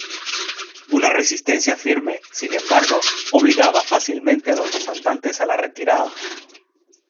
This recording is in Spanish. Una resistencia firme, sin embargo, obligaba fácilmente a los asaltantes a la retirada.